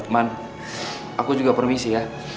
man aku juga permisi ya